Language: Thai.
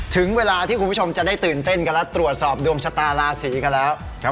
ถึงเวลาที่คุณผู้ชมจะได้ตื่นเต้นกันแล้วตรวจสอบดวงชะตาราศีกันแล้ว